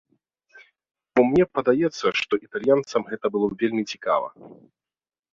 Бо мне падаецца, што італьянцам гэта было б вельмі цікава.